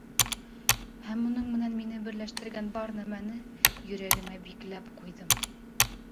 Һәм уның менән мине берләштергән бар нәмәне йөрәгемә бикләп ҡуйҙым.